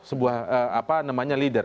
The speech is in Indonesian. sebuah apa namanya leader